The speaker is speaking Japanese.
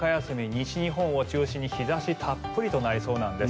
西日本を中心に日差したっぷりとなりそうなんです。